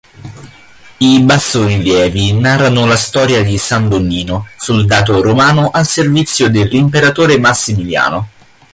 I bassorilievi narrano la storia di San Donnino, soldato romano al servizio dell'imperatore Massimiano.